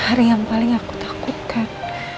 hari yang paling aku takutkan